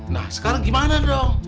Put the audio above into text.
nah sekarang gimana dong